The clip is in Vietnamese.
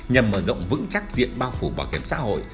nhằm mở rộng vững chắc diện bao phủ bảo hiểm xã hội